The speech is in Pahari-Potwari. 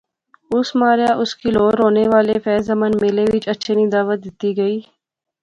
اسے ماریا اس کی لہور ہونے والے فیض امن میلے وچ اچھے نی دعوت دتی گئی